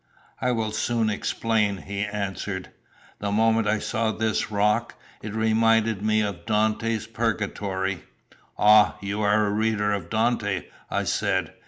"I will soon explain," he answered. "The moment I saw this rock, it reminded me of Dante's Purgatory." "Ah, you are a reader of Dante?" I said.